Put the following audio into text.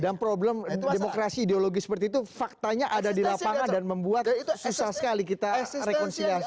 dan problem demokrasi ideologi seperti itu faktanya ada di lapangan dan membuat susah sekali kita rekonsiliasi